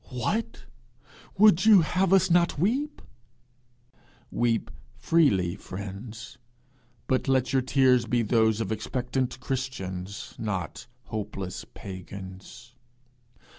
'What, would you have us not weep?' Weep freely, friends; but let your tears be those of expectant Christians, not hopeless pagans.